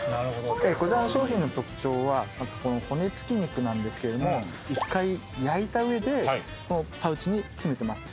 こちらの商品の特徴はまず骨付き肉なんですけども一回焼いた上でパウチに詰めてます。